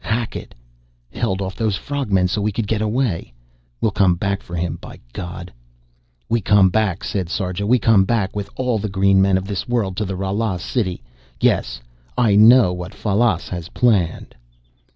"Hackett! Held off those frog men so we could get away we'll come back for him, by God!" "We come back!" said Sarja. "We come back with all the green men of this world to the Ralas' city, yes! I know what Fallas has planned."